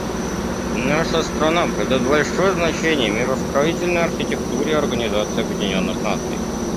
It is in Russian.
Наша страна придает большое значение миростроительной архитектуре Организации Объединенных Наций.